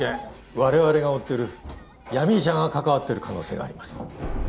我々が追ってる闇医者が関わってる可能性があります